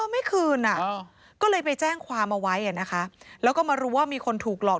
ไม่คืนอ่ะก็เลยไปแจ้งความเอาไว้นะคะแล้วก็มารู้ว่ามีคนถูกหลอก